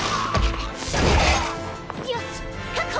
よしっ確保！